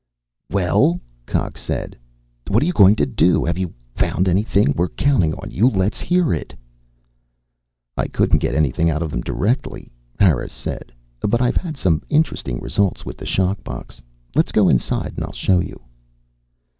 "Well?" Cox said. "What are you going to do? Have you found anything? We're counting on you. Let's hear it." "I couldn't get anything out of them directly," Harris said, "but I've had some interesting results with the shock box. Let's go inside and I'll show you."